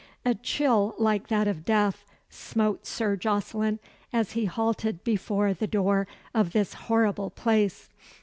A chill like that of death smote Sir Jocelyn, as he halted before the door of this horrible place.